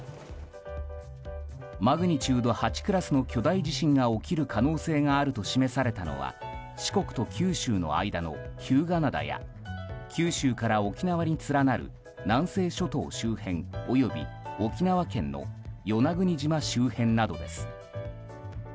マグニチュード８クラスの巨大地震が起きる可能性があると示されたのは四国と九州の間の日向灘や九州から沖縄に連なる南西諸島周辺および沖縄県の与那国島周辺などです。